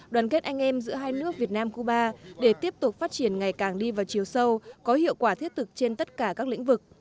đoàn kết anh em giữa hai nước việt nam cuba để tiếp tục phát triển ngày càng đi vào chiều sâu có hiệu quả thiết thực trên tất cả các lĩnh vực